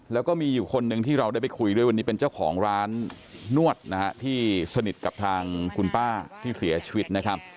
แล้วก็มีอยู่คนหนึ่งที่เราได้ไปคุยด้วยวันนี้เป็นเจ้าของร้านนวดนะฮะที่สนิทกับทางคุณป้าที่เสียชีวิตนะครับ